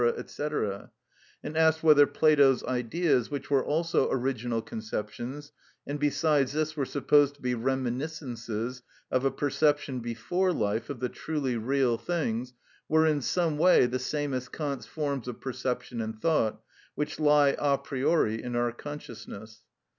&c.,—and asked whether Plato's Ideas, which were also original conceptions, and besides this were supposed to be reminiscences of a perception before life of the truly real things, were in some way the same as Kant's forms of perception and thought, which lie a priori in our consciousness.